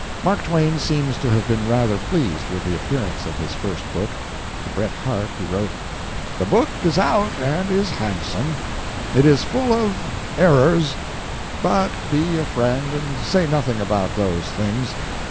Mark Twain seems to have been rather pleased with the appearance of his first book. To Bret Harte he wrote: The book is out and is handsome. It is full of ... errors....but be a friend and say nothing about those things.